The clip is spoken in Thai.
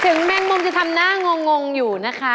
แมงมุมจะทำหน้างงอยู่นะคะ